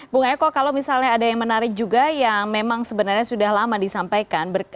bung eko kalau misalnya ada yang menarik juga yang memang sebenarnya sudah lama disampaikan